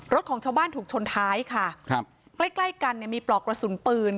ของชาวบ้านถูกชนท้ายค่ะครับใกล้ใกล้กันเนี่ยมีปลอกกระสุนปืน